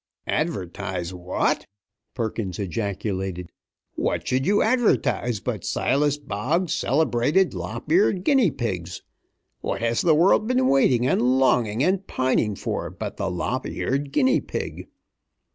"Advertise what?" Perkins ejaculated. "What should you advertise, but Silas Boggs's Celebrated Lop eared Guinea pigs? What has the world been waiting and longing and pining for but the lop eared guinea pig?